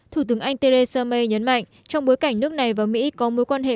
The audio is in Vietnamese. thủ tướng anh theresa may nhấn mạnh trong bối cảnh nước này và mỹ có mối quan hệ